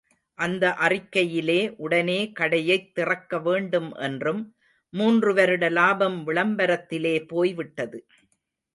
அந்த அறிக்கையிலே, உடனே கடையைத் திறக்கவேண்டும் என்றும், மூன்று வருட லாபம் விளம்பரத்திலே போய்விட்டது.